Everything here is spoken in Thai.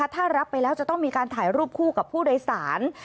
ถ้ารับไปแล้วจะต้องมีการถ่ายรูปคู่กับผู้โดยสาร